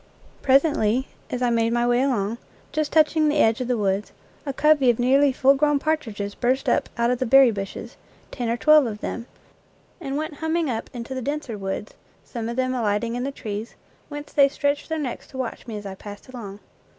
Presently, as I made my way along, just touching the edge of the woods, a covey of nearly full grown partridges burst up out of the berry bushes, ten or twelve of them, and went humming up into the denser woods, some of them alighting in the trees, whence they stretched their necks to watch me as I passed along.